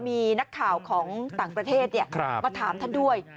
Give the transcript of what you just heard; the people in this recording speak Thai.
มีนักข่าวของต่างประเทศมาถามท่านด้วย